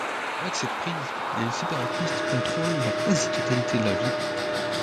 Avec cette prise, les séparatistes contrôlent la quasi totalité de la ville.